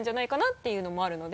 ていうのもあるので。